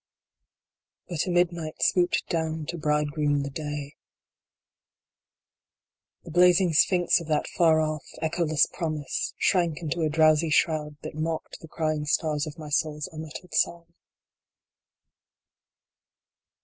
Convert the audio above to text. But a Midnight swooped down to bridegroom the Day. The blazing Sphynx of that far off, echoless promise, shrank into a drowsy shroud that mocked the crying stars of my soul s unuttered song.